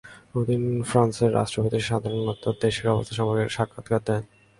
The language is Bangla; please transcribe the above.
এই দিন ফ্রান্সের রাষ্ট্রপতি সাধারণত দেশের অবস্থা সম্পর্কে একটি সাক্ষাৎকার দেন এবং ছোট অপরাধীদের ক্ষমা করে দেন।